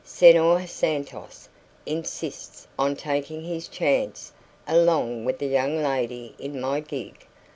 Senhor Santos insists on taking his chance along with the young lady in my gig.